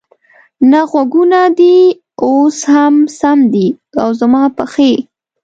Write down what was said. نه، غوږونه دې اوس هم سم دي، او زما پښې؟